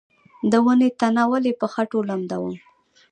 د ونې تنه ولې په خټو لمدوم؟